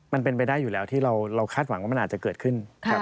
มันเป็นไปได้อยู่แล้วที่เราคาดหวังว่ามันอาจจะเกิดขึ้น